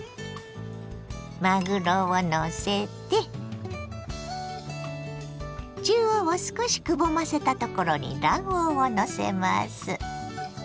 まぐろをのせて中央を少しくぼませたところに卵黄をのせます。